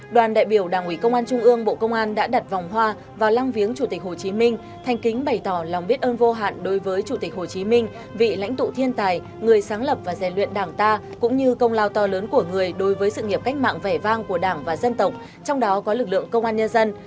đoàn đại biểu đảng ủy công an trung ương bộ công an đã đặt vòng hoa vào lăng viếng chủ tịch hồ chí minh thanh kính bày tỏ lòng biết ơn vô hạn đối với chủ tịch hồ chí minh vị lãnh tụ thiên tài người sáng lập và dè luyện đảng ta cũng như công lao to lớn của người đối với sự nghiệp cách mạng vẻ vang của đảng và dân tộc trong đó có lực lượng công an nhân dân